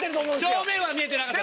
正面は見えてなかった。